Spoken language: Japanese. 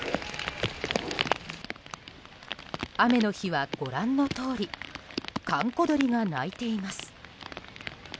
雨の日は、ご覧のとおり閑古鳥が鳴いています。